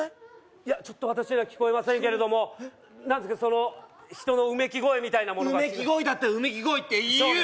いやちょっと私には聞こえませんけれども何ですかその人のうめき声みたいなものがうめき声だったら「うめき声」って言う！